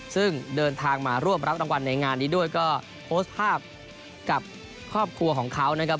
ซึ่งเดินทางมาร่วมรับรางวัลในงานนี้ด้วยก็โพสต์ภาพกับครอบครัวของเขานะครับ